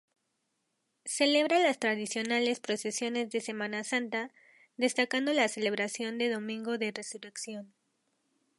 Celebra las tradicionales procesiones de Semana Santa, destacando la celebración del Domingo de Resurrección.